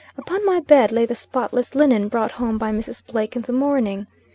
Upon my bed lay the spotless linen brought home by Mrs. Blake in the morning.